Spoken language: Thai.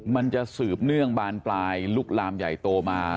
มันจะสืบเนื่องบานปลายลุกลามใหญ่โตมา